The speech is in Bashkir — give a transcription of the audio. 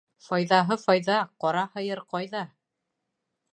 Файҙаһы файҙа, ҡара һыйыр ҡайҙа?